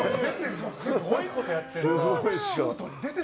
すごいことやってる。